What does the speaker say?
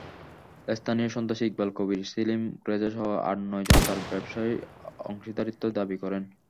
স্থানীয় সন্ত্রাসী ইকবাল কবির, সেলিম রেজাসহ আট-নয়জন তাঁর ব্যবসায় অংশীদারিত্ব দাবি করেন।